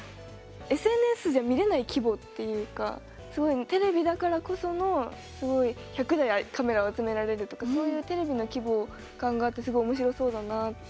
ＳＮＳじゃ見れない規模っていうかすごいテレビだからこそのすごい１００台カメラを集められるとかそういうテレビの規模感があってすごいおもしろそうだなって。